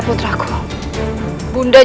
bu teo aku akan pergi